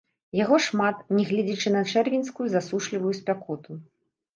Яго шмат, нягледзячы на чэрвеньскую засушлівую спякоту.